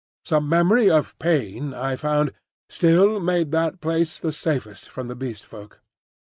Some memory of pain, I found, still made that place the safest from the Beast Folk.